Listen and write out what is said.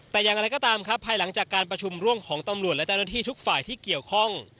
แต่อย่างไรก็ตามครับภายหลังจากการประชุมร่วมของตำรวจและเจ้าหน้าที่ทุกฝ่ายที่เกี่ยวข้อง